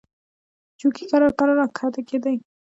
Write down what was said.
جوګي کرار کرار را کښته کېدی.